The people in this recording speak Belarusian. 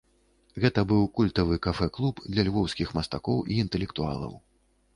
Гэта быў культавы кафэ-клуб для львоўскіх мастакоў і інтэлектуалаў.